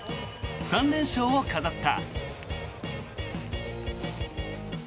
３連勝を飾った。